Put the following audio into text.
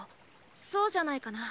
そうじゃないかな。